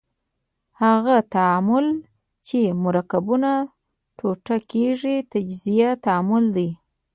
هغه تعامل چې مرکبونه ټوټه کیږي تجزیوي تعامل دی.